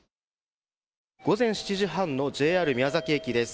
午前７時半のＪＲ宮崎駅です。